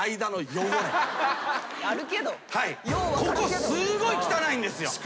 ここすごい汚いんですよ。